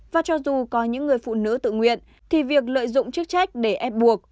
và cho dù có những người phụ nữ tự nguyện thì việc lợi dụng chức trách để ép buộc